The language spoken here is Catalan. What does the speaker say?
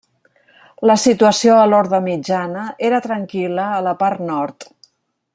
La situació a l'Horda Mitjana era tranquil·la a la part nord.